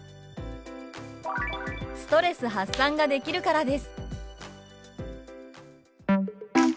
「ストレス発散ができるからです」。